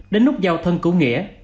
đến nút giao thân cổ nghĩa